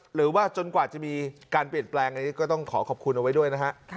หรือว่าจนกว่าจะมีการเปลี่ยนแปลงอันนี้ก็ต้องขอขอบคุณเอาไว้ด้วยนะฮะ